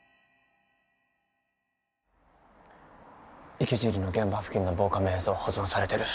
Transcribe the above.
池尻の現場付近の防カメ映像保存されてる？